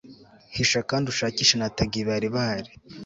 hisha kandi ushakishe na tagi bari bahari